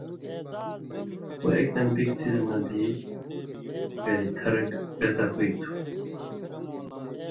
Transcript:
اُو اېک دم بِگ څِزہۡ نہ بھی گېل تھر گتہ ہُوئ تُھو